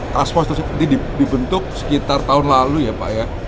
transposed transposed seperti dibentuk sekitar tahun lalu ya pak ya